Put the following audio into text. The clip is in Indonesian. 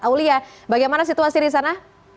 aulia bagaimana situasi di sana